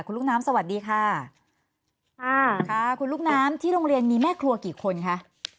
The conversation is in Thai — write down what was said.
คุณลูกน้ำสวัสดีค่ะค่ะคุณลูกน้ำที่โรงเรียนมีแม่ครัวกี่คนคะ